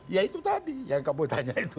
ya itu tadi yang kamu tanya itu